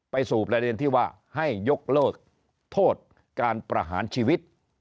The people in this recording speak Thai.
สู่ประเด็นที่ว่าให้ยกเลิกโทษการประหารชีวิต